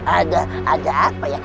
ada ada apa ya